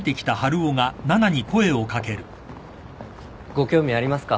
ご興味ありますか？